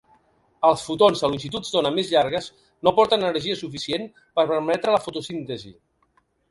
Els fotons a longituds d'ona més llargues no porten energia suficient per permetre la fotosíntesi.